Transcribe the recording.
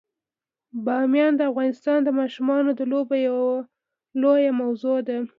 بامیان د افغانستان د ماشومانو د لوبو یوه لویه موضوع ده.